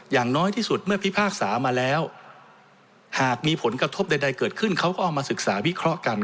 อย่างน้อยที่สุดเมื่อพิพากษามาแล้วหากมีผลกระทบใดเกิดขึ้นเขาก็เอามาศึกษาวิเคราะห์กัน